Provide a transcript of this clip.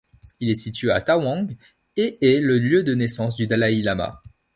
Il est situé à Tawang et est le lieu de naissance du dalaï-lama.